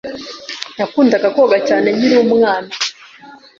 Nakundaga koga cyane nkiri umwana.